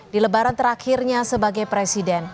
di lebaran terakhirnya sebagai presiden